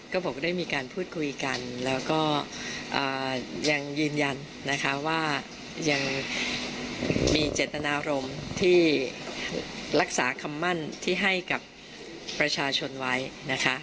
ก็บอกว่าได้มีการพูดคุยกันแล้วก็ยังยืนยันนะคะว่ายังมีเจตนารมณ์ที่รักษาคำมั่นที่ให้กับประชาชนไว้นะคะ